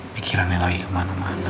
pikirannya lagi kemana mana